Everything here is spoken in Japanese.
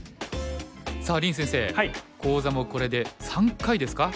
さあ林先生講座もこれで３回ですか。